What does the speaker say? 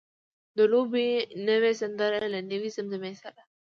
د لوبې نوې سندره له نوې زمزمې سره.